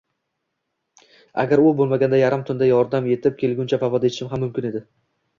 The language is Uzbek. Agar u bo`lmaganda yarim tunda yordam etib kelguncha vafot etishim ham mumkin edi